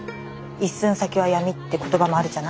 「一寸先は闇」って言葉もあるじゃない？